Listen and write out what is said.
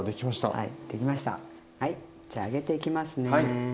はいじゃあ揚げていきますね。